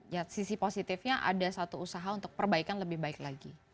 ya sisi positifnya ada satu usaha untuk perbaikan lebih baik lagi